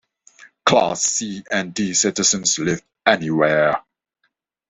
Class C and D citizens live anywhere.